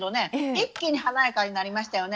一気に華やかになりましたよね。